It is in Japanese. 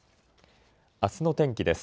あすの天気です。